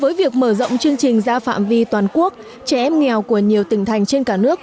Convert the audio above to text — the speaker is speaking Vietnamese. với việc mở rộng chương trình ra phạm vi toàn quốc trẻ em nghèo của nhiều tỉnh thành trên cả nước